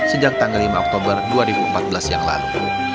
sejak tanggal lima oktober dua ribu empat belas yang lalu